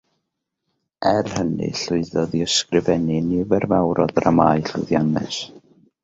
Er hynny llwyddodd i ysgrifennu nifer fawr o ddramâu llwyddiannus.